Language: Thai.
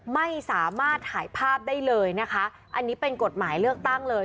ไม่สามารถถ่ายภาพได้เลยนะคะอันนี้เป็นกฎหมายเลือกตั้งเลย